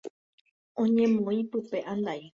Oñemoĩ pype andai.